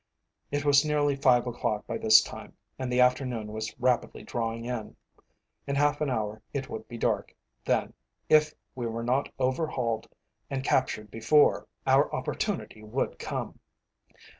It was nearly five o'clock by this time, and the afternoon was rapidly drawing in. In half an hour it would be dark, then, if we were not overhauled and captured before, our opportunity would come.